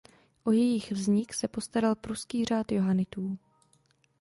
O jejich vznik se postaral pruský řád johanitů.